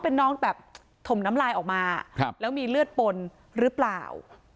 เป็นน้องแบบถมน้ำลายออกมาแล้วมีเลือดปนหรือเปล่า